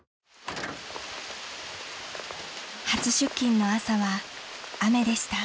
［初出勤の朝は雨でした］